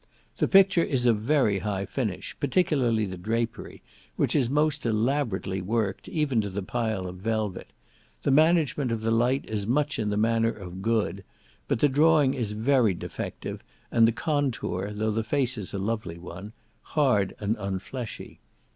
This picture is of very high finish, particularly the drapery, which is most elaborately worked, even to the pile of the velvet; the management of the light is much in the manner of Good; but the drawing is very defective, and the contour, though the face is a lovely one, hard and unfleshy.